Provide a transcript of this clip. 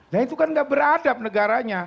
nah itu kan gak beradab negaranya